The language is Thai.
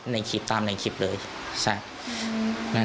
ในคลิปตามในคลิปเลย